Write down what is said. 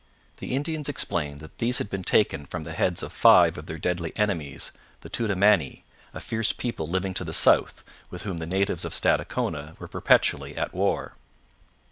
The Indians explained that these had been taken from the heads of five of their deadly enemies, the Toudamani, a fierce people living to the south, with whom the natives of Stadacona were perpetually at war.